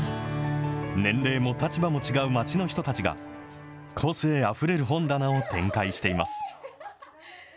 年齢も立場も違う街の人たちが、個性あふれる本棚を展開しています。